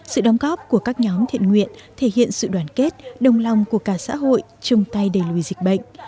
sự đóng góp của các nhóm thiện nguyện thể hiện sự đoàn kết đồng lòng của cả xã hội chung tay đẩy lùi dịch bệnh